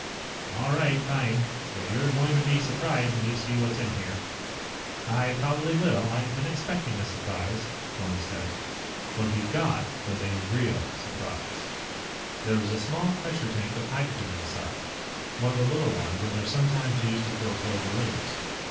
"All right. Fine. But you're going to be surprised when you see what's in here." "I probably will. I've been expecting a surprise," Thorn said. What he got was a real surprise. There was a small pressure tank of hydrogen inside one of the little ones that are sometimes used to fill toy balloons.